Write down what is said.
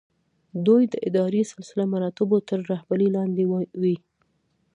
دوی د اداري سلسله مراتبو تر رهبرۍ لاندې وي.